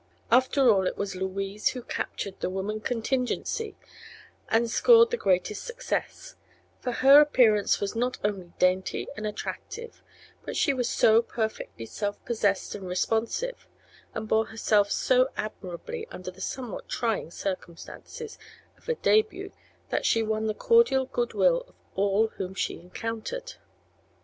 After all, it was Louise who captured the woman contingency and scored the greatest success; for her appearance was not only dainty and attractive but she was so perfectly self possessed and responsive and bore herself so admirably under the somewhat trying; circumstances of a debut that she won the cordial goodwill of all whom she encountered.